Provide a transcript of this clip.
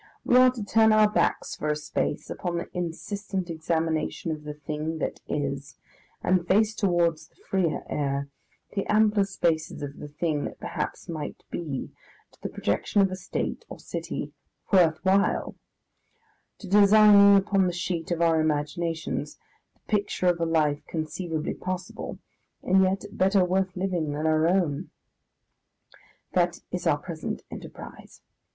We are to turn our backs for a space upon the insistent examination of the thing that is, and face towards the freer air, the ampler spaces of the thing that perhaps might be, to the projection of a State or city "worth while," to designing upon the sheet of our imaginations the picture of a life conceivably possible, and yet better worth living than our own. That is our present enterprise.